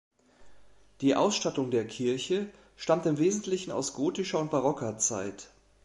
Die Ausstattung der Kirche stammt im Wesentlichen aus gotischer und barocker Zeit.